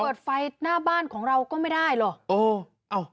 เปิดไฟหน้าบ้านของเราก็ไม่ได้หรอ